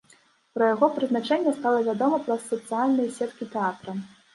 Пра яго прызначэнне стала вядома праз сацыяльныя сеткі тэатра.